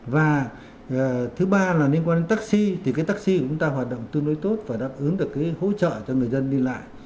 và thứ ba là liên quan đến taxi thì cái taxi của chúng ta hoạt động tương đối tốt và đáp ứng được cái hỗ trợ cho người dân đi lại